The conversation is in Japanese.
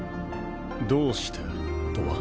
どうしてとは？